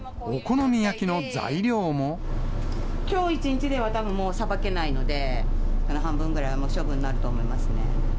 きょう一日では、もうたぶんさばけないので、半分ぐらいは処分になると思いますね。